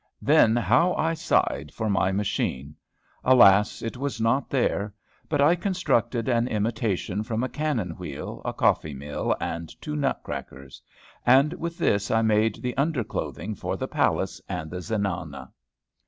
Then how I sighed for my machine! Alas! it was not there; but I constructed an imitation from a cannon wheel, a coffee mill, and two nut crackers. And with this I made the under clothing for the palace and the Zenana.